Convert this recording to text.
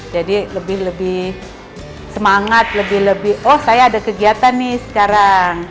jadi lebih lebih semangat lebih lebih oh saya ada kegiatan nih sekarang